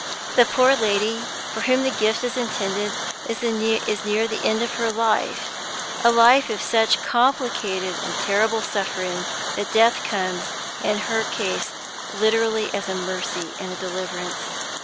"The poor lady for whom the gift is intended is near the end of her life a life of such complicated and terrible suffering that death comes, in her case, literally as a mercy and a deliverance.